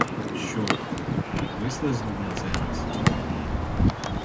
Що вислизнув на цей раз?